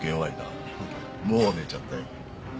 もう寝ちゃったよ。